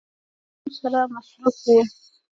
د یو کمیسون سره مصروف و.